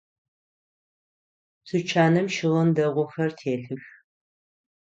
Тучаным щыгъын дэгъухэр телъых.